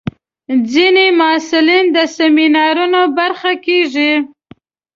ځینې محصلین د سیمینارونو برخه کېږي.